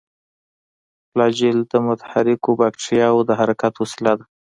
فلاجیل د متحرکو باکتریاوو د حرکت وسیله ده.